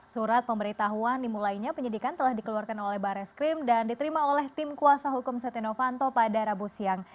surat pemberitahuan dimulainya penyidikan telah dikeluarkan oleh barreskrim dan diterima oleh tim kuasa hukum setia novanto pada rabu siang